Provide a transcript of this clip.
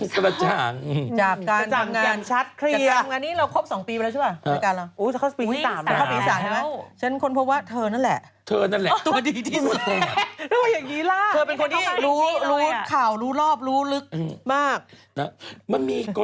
กล้องยังแบบมีมุมอับคุณแม่โมดำยิ่งกว่ามุมอับไม่มีเลย